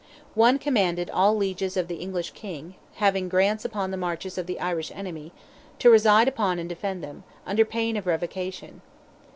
One commanded all lieges of the English King, having grants upon the marches of the Irish enemy, to reside upon and defend them, under pain of revocation.